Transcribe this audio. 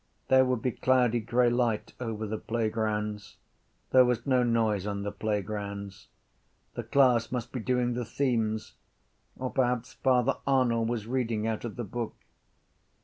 There would be cloudy grey light over the playgrounds. There was no noise on the playgrounds. The class must be doing the themes or perhaps Father Arnall was reading out of the book.